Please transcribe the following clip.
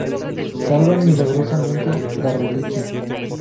Salvan milagrosamente la reliquia.